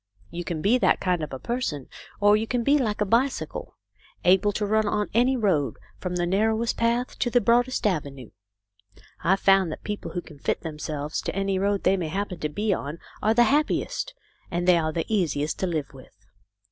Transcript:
You can be that kind of a person, or you can be like a bicycle, able to run on any road, from the narrowest path to the broadest avenue. I've found that people who can fit themselves to any road they may happen to be on are the happiest, and they are the easiest to live with.